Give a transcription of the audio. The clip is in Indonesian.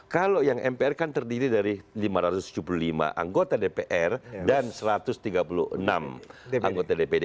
kalau yang mpr kan terdiri dari lima ratus tujuh puluh lima anggota dpr dan satu ratus tiga puluh enam anggota dpd